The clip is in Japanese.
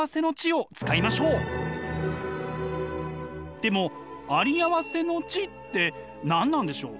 でもあり合わせの知って何なんでしょう？